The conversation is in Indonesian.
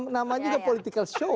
namanya juga political show